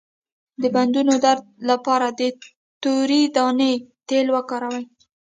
د بندونو درد لپاره د تورې دانې تېل وکاروئ